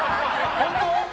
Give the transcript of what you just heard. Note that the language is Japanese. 本当？